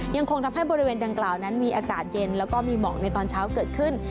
ยังคงทำให้บริเวณดังกล่าวนั้นมีอากาศเย็นแล้วก็มีหมอกในตอนเช้าเกิดขึ้น